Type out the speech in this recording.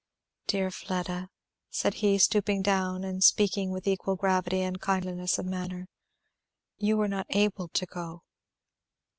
"Dear Fleda," said he, stooping down and speaking with equal gravity and kindliness of manner, "you were not able to go."